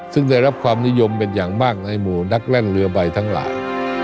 ซึ่งได้รับความนิยมเป็นอย่างมากในหมู่นักแล่นเรือใบทั้งหลาย